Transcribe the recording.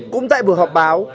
cũng tại buổi họp báo